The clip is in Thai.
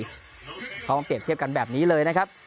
เขามาเปรียบเทียบกันแบบนี้เลยนะครับ